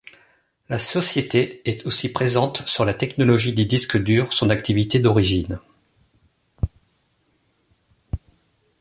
La société est aussi présente sur la technologie des disque durs son activité d'origine.